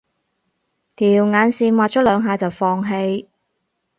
條眼線畫咗兩下就放棄